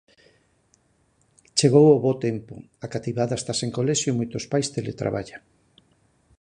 Chegou o bo tempo, a cativada está sen colexio e moitos pais teletraballan.